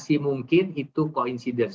itu diduga karena